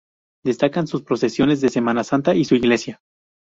Destacan sus procesiones de Semana Santa y su iglesia.